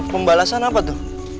pembalasan apa tu